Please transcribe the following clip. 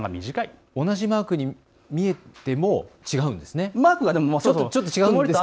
同じマークに見えても違うんですね。